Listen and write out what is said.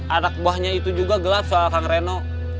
anak buahnya itu juga gelap sama kang reno